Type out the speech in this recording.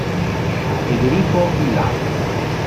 Federico Vilar